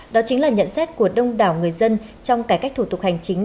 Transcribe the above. đó chính là nhận xét của đông đảo người dân trong cải cách thủ tục hành chính